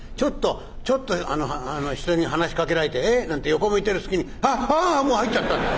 ちょっと人に話しかけられて「ええっ？」なんて横向いてる隙に「ハッハアッもう入っちゃった」。